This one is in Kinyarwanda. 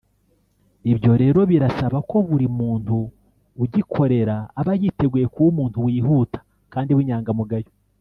Ibyo rero birasaba ko buri muntu ugikorera aba yiteguye kuba umuntu wihuta kandi w’inyangamugayo